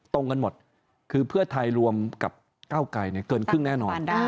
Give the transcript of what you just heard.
ตรงกันหมดคือเพื่อไทยรวมกับก้าวไกรเกินครึ่งแน่นอน